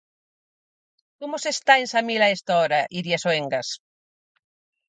Como se está en Samil a esta hora, Iria Soengas?